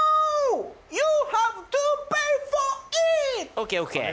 ＯＫＯＫ。